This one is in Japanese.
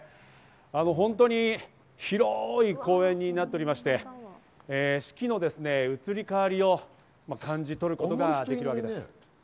本当に広い公園になっておりまして、四季の移り変わりを感じ取ることができるわけです。